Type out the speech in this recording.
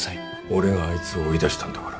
俺があいつを追い出したんだから。